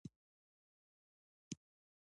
زعفران ولې د افغانستان سره طلا بلل کیږي؟